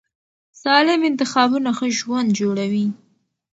سالم انتخابونه ښه ژوند جوړوي.